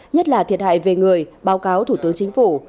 nhất là thiệt hại về người báo cáo thủ tướng chính phủ